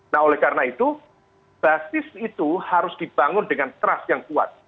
nah oleh karena itu basis itu harus dibangun dengan trust yang kuat